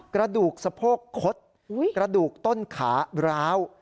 กระดูกสะโพกคดกระดูกต้นขาร้าว